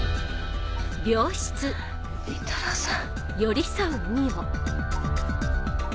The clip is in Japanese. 倫太郎さん。